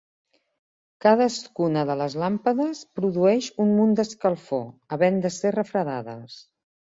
Cadascuna de les làmpades produeix un munt d'escalfor, havent de ser refredades.